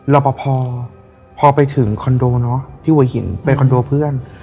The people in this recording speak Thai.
แล้วพอพอไปถึงคอนโดเนอะที่หวยหินเป็นคอนโดเพื่อน